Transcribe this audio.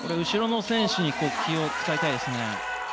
後ろの選手に気を使いたいですね。